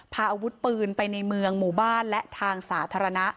พาอาวุธปืนไปในเมืองหมู่บ้านและทางสาธารณะ